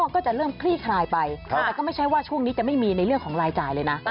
ก็จะเริ่มคลี่คลายไปแต่ก็ไม่ใช่ว่าช่วงนี้จะไม่มีในเรื่องของรายจ่ายเลยนะ